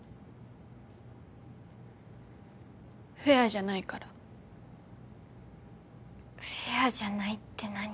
フェアじゃないからフェアじゃないって何？